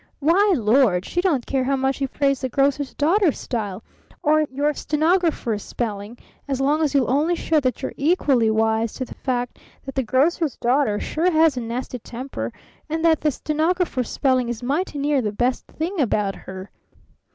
Why, Lord! she don't care how much you praise the grocer's daughter's style, or your stenographer's spelling, as long as you'll only show that you're equally wise to the fact that the grocer's daughter sure has a nasty temper, and that the stenographer's spelling is mighty near the best thing about her.